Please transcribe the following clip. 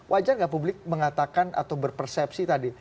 wajar gak publik mengatakan atau berpersepsi tadi